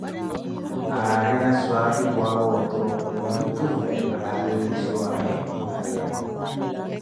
Árina swahiphuʼawe oto wontuvela âri wiitthiwaaye Mariamo.